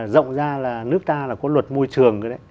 rộng ra là nước ta là có luật môi trường đấy